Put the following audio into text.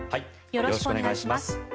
よろしくお願いします。